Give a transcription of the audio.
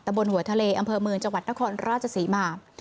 บนหัวทะเลอำเภอเมืองจังหวัดนครราชศรีมา